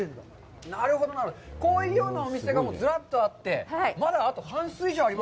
なるほど、こういうようなお店がずらっとあって、まだあと半数以上あり